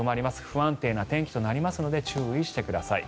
不安定な天気となりますので注意してください。